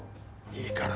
いいから。